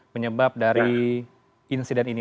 menyebab dari insiden ini